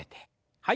はい。